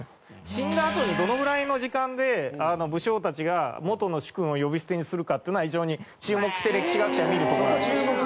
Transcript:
死んだあとにどのぐらいの時間で武将たちが元の主君を呼び捨てにするかっていうのは非常に注目して歴史学者は見るとこなんです。